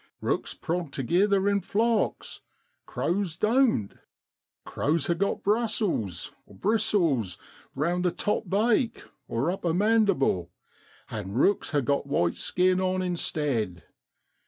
Eooks prog togither in flocks, crows doan't. Crows ha' got brussels (bristles) round the top bake (upper mandible), an' rooks ha' got white skin on instead.